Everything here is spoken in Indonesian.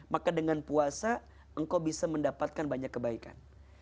maka dengan puasa engkau bisa mendapatkan banyak kebaikan